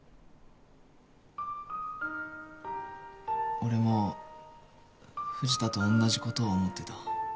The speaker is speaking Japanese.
俺も藤田と同じ事を思ってた。